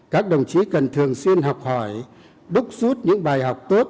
các đồng chí cần thường xuyên học hỏi đúc rút những bài học tốt